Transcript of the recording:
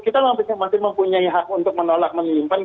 kita masih mempunyai hak untuk menolak menyimpan